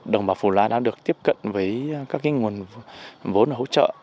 đồng bào phù lá đang được tiếp cận với các nguồn vốn hỗ trợ